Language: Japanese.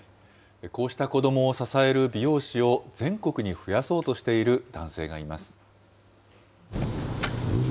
こうした子どもを支える美容師を全国に増やそうとしている男性がいます。